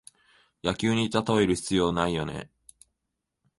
野球にたとえる必要ないよね